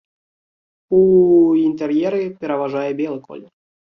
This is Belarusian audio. У інтэр'еры пераважае белы колер.